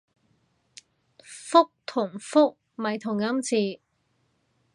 覆同復咪同音字